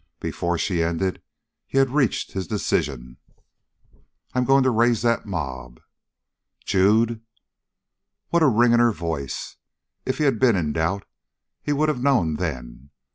Before she ended he had reached his decision. "I'm going to raise that mob." "Jude!" What a ring in her voice! If he had been in doubt he would have known then.